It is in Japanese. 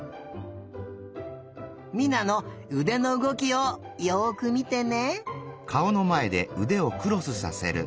美菜のうでのうごきをよくみてね。